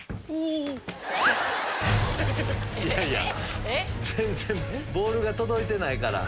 いやいや全然ボールが届いてないから。